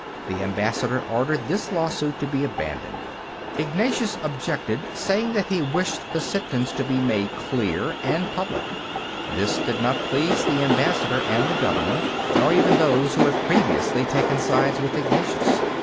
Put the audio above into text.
The ambassador ordered this lawsuit to be abandoned. Ignatius objected, saying that he wished the sentence to be made clear and public. This did not please the ambassador and the governor, nor even those who had previously taken sides with Ignatius.